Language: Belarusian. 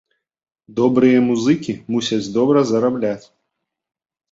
Добрыя музыкі мусяць добра зарабляць.